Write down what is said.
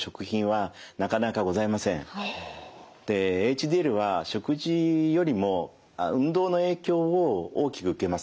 ＨＤＬは食事よりも運動の影響を大きく受けます。